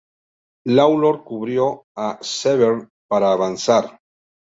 Lawlor cubrió a Severn para avanzar.